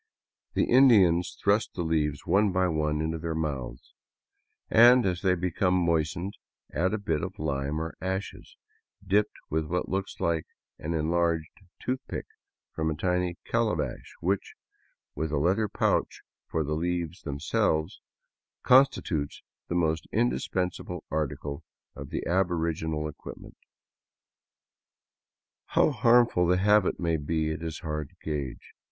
The Indians thrust the leaves one by one into their mouths, and as they become moistened, add a bit of lime or ashes, dipped with what looks like an enlarged toothpick from a tiny calabash which, with a leather pouch for the leaves themselves, constitutes the most indispensable article of the aboriginal equipment How harmful the habit may be, it is hard to gage.